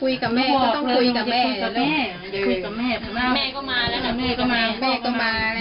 คุยกับแม่แม่ก็มาแล้วนะแม่ก็มาแล้ว